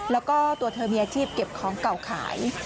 แล้วก็ตัวเธอมีอาชีพเก็บของเก่าขาย